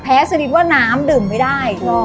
แพ้สนิทว่าน้ำดื่มไม่ได้